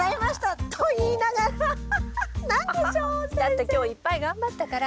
だって今日いっぱい頑張ったから。